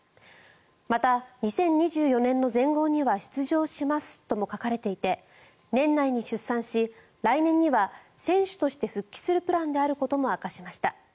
また、２０２４年の全豪には出場しますとも書かれていて年内に出産し来年には選手として復帰するプランであることも明かしました。